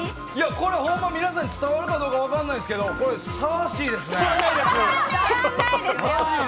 これほんまに皆さんに伝わるかどうか分からないですが、これ、さわしいですね。